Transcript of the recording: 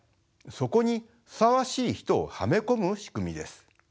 そこにふさわしい人をはめ込む仕組みです。